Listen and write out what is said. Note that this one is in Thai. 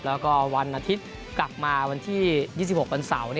แล้วก็วันอาทิตย์กลับมาวันที่๒๖วันเสาร์